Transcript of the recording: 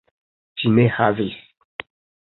Ĝi ne havis.